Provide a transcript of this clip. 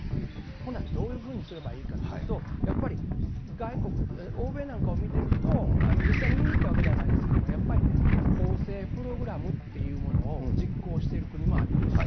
ほんなら、どういうふうにすればいいかというと、やっぱり外国、欧米なんかを見てると、実際に見に行ったわけではないですけども、やっぱりね、更生プログラムっていうものを実行している国もあるんですよ。